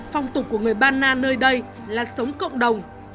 phong tục của người ba na nơi đây là sống cộng đồng